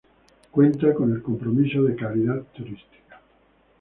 Cuenta con el Compromiso de Calidad Turística.